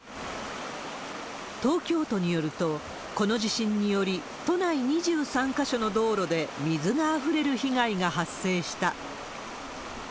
東京都によると、この地震により都内２３か所の道路で水があふれる被害が発生した。